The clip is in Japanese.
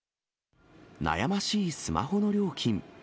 悩ましいスマホの料金。